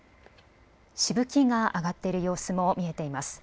しぶきが上がっている様子も見えています。